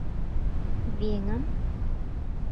— Веҥым...